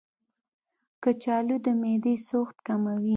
کچالو د معدې سوخت کموي.